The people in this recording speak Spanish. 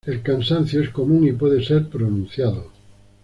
El cansancio es común y puede ser pronunciado.